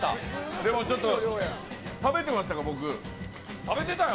でもちょっと、食べてました食べてたよ。